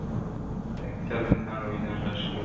• دا کيسه د انسان د وجدان غږ ګرځي,